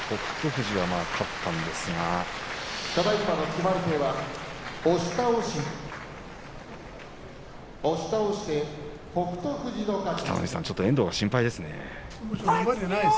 富士が勝ったんですが北の富士さん、遠藤が心配ですね。